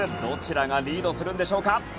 どちらがリードするんでしょうか？